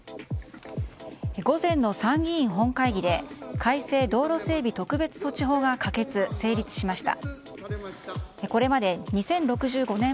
午前の参議院本会議で改正道路整備特別措置法が可決・成立しました。